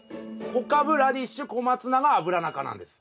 小カブラディッシュコマツナがアブラナ科なんです。